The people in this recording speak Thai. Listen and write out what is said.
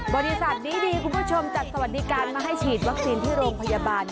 บริษัทนี้ดีคุณผู้ชมจัดสวัสดิการมาให้ฉีดวัคซีนที่โรงพยาบาล